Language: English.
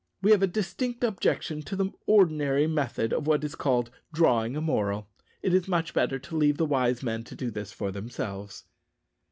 We have a distinct objection to the ordinary method of what is called "drawing a moral." It is much better to leave wise men to do this for themselves.